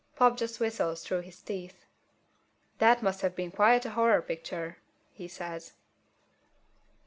Pop just whistles through his teeth. "That must have been quite a horror picture!"